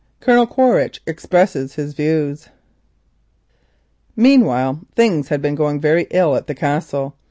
COLONEL QUARITCH EXPRESSES HIS VIEWS Meanwhile things had been going very ill at the Castle.